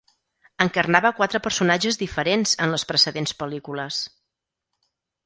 Encarnava quatre personatges diferents en les precedents pel·lícules.